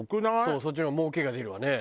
そっちの方がもうけが出るわね。